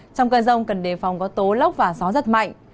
trong cơn rông cần đề phòng có tố lốc và gió rất mạnh